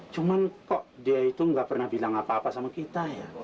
cuman kok dia itu nggak pernah bilang apa apa sama kita ya